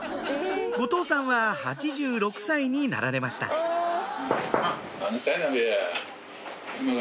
後藤さんは８６歳になられました何歳だべや？